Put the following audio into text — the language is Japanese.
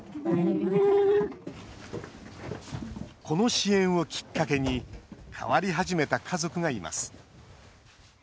この支援をきっかけに変わり始めた家族がいます。